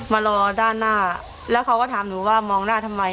มารอด้านหน้าแล้วเขาก็ถามหนูว่ามองหน้าทำไม